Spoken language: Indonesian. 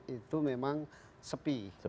itu memang sepi